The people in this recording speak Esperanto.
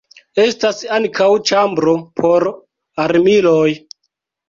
Estas ankaŭ ĉambro por armiloj.